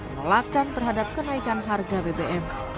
penolakan terhadap kenaikan harga bbm